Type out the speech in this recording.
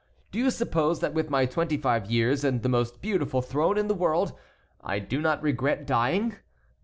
Do you suppose that with my twenty five years, and the most beautiful throne in the world, I do not regret dying?